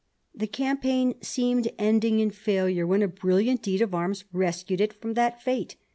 The campaign seemed ending in failure, when a brilliant deed of arms rescued it from that fate.